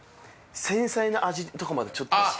繊細な味とかまでちょっとあっ